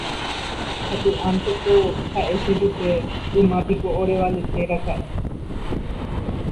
Sapy'ánteko ha'e che jupe yma piko orevaleteraka'e.